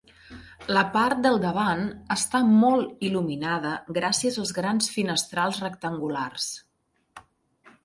La part del davant està molt il·luminada gràcies als grans finestrals rectangulars.